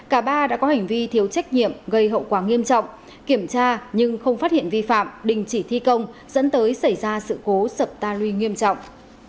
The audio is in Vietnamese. cả ba đã có hành vi thiếu trách nhiệm gây hậu quả nghiêm trọng kiểm tra nhưng không phát hiện vi phạm đình chỉ thi công dẫn tới xảy ra sự cố sập ta luy nghiêm trọng